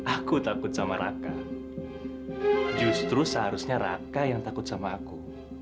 aku takut sama raka justru seharusnya raka yang takut sama aku